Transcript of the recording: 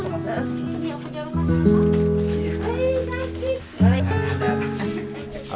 mereka berdua berada di rumah